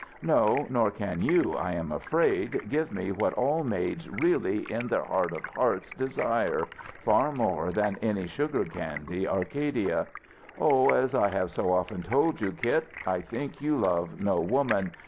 No, nor can you, I am afraid, give me what all maids really, in their heart of hearts, desire far more than any sugar candy Arcadia. Oh, as I have so often told you, Kit, I think you love no woman.